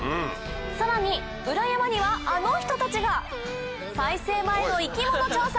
さらに裏山にはあの人たちが再生前の生き物調査